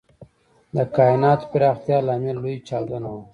د کائناتو پراختیا لامل لوی چاودنه وه.